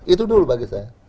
itu dulu bagi saya